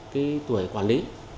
cái tuổi quản lý